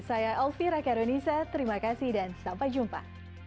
saya alfira karunisa terima kasih dan sampai jumpa